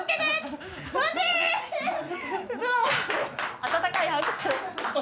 温かい拍手。